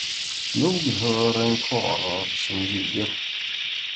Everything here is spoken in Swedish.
Nog hör en karlar som ljuger.